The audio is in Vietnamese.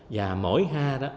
và mỗi ha